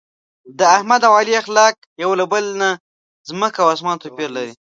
د احمد او علي اخلاق یو له بل نه ځمکه او اسمان توپیر لري.